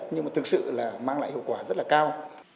nhưng mà thực sự là mang lại hiệu quả rất là cao